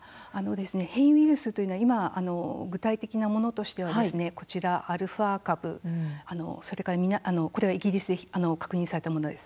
変異ウイルスというのは今、具体的なものとしては「アルファ株」これはイギリスで確認されたものです。